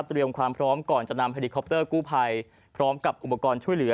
ความพร้อมก่อนจะนำเฮลิคอปเตอร์กู้ภัยพร้อมกับอุปกรณ์ช่วยเหลือ